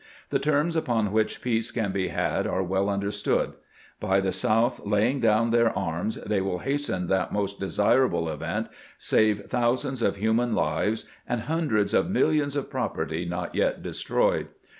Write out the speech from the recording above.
The terms upon which peace can be had are well understood. By the South laying down their arms they will hasten that most desirable event, save thousands of human lives, and hun dreds of millions of property not yet destroyed.